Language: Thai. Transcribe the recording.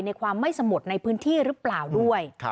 ความไม่สมุทรในพื้นที่หรือเปล่าด้วย